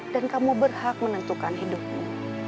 dan kamu berhak menentukan hidupmu